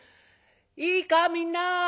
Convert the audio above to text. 「いいかみんな。